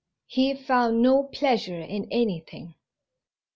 He found no pleasure in anything.